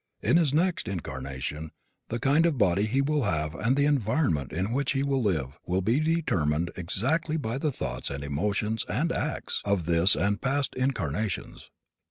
In his next incarnation the kind of body he will have and the environment in which he will live will be determined exactly by the thoughts and emotions and acts of this and past incarnations.